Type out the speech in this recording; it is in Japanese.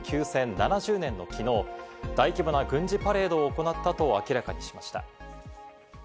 ７０年の昨日、大規模な軍事パレードを行ったと明らかにしました。